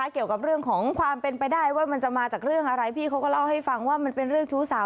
คุยเรื่องเกียรติไม่เรียบร้อยแล้วครับ